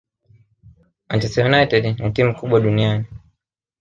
Manchester United ni timu kubwa duniani